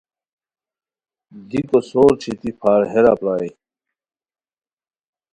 دیکو سور چھیتی پھار ہیرا پرائے